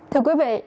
thưa quý vị